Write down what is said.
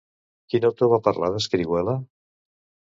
Quin autor va parlar d'Escrihuela?